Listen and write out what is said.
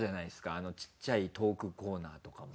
あのちっちゃいトークコーナーとかも。